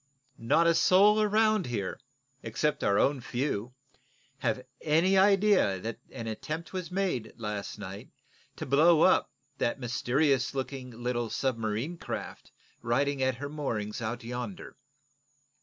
Not a soul around here, except our own few, have any idea that an attempt was made, last night, to blow up that mysterious looking little submarine craft riding at her moorings out yonder."